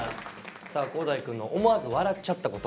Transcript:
さあ浩大くんの「思わず笑っちゃったこと」